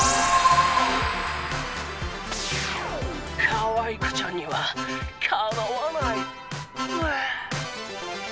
かわいこちゃんにはかなわない。